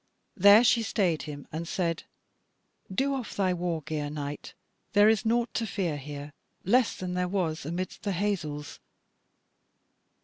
There she stayed him and said: "Do off thy war gear, knight. There is naught to fear here, less than there was amidst the hazels."